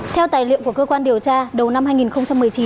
theo tài liệu của cơ quan điều tra đầu năm hai nghìn một mươi chín